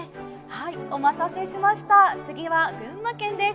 はいお待たせしました次は群馬県です。